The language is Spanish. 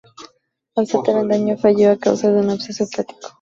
Alzate Avendaño falleció a causa de un absceso hepático.